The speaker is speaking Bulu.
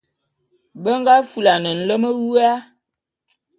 Be nga fulane nlem wua.